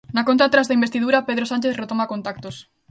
Na conta atrás da investidura, Pedro Sánchez retoma contactos.